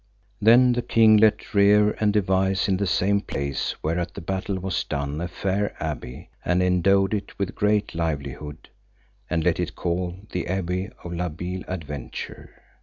Then the king let rear and devise in the same place whereat the battle was done a fair abbey, and endowed it with great livelihood, and let it call the Abbey of La Beale Adventure.